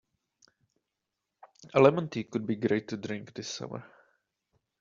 A lemon tea could be great to drink this summer.